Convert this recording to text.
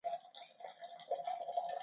یوه بغل ته شه